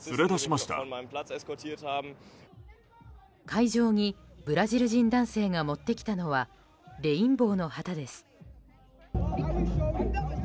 会場にブラジル人男性が持ってきたのはレインボーの旗です。